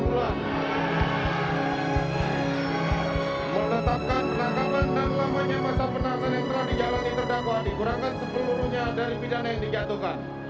menetapkan penangkapan dan lamanya masa penahanan yang telah dijalani terdakwa dikurangkan sepeluruhnya dari pidana yang dijatuhkan